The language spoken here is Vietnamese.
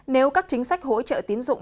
nếu các chính sách hỗ trợ tín dụng